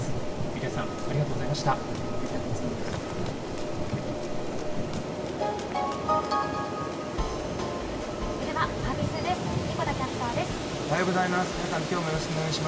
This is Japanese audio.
ユリヤさん、ありがとうございました。